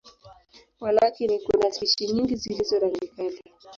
Walakini, kuna spishi nyingi zilizo rangi kali.